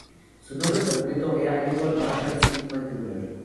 Su nombre completo era Edward Marshall Stedman, Jr.